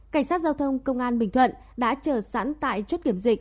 cảnh sát giao thông công an bình thuận đã chờ sẵn tại chốt kiểm dịch